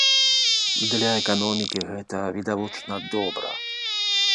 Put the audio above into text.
Для эканомікі гэта, відавочна, добра.